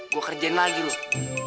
gue kerjain lagi loh